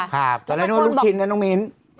ค่ะตอนแรกนู้นลูกชิ้นนะน้องมีน